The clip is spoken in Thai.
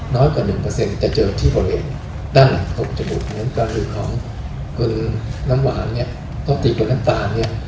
น้อยกว่า๑จะเจอคือที่บริเวณ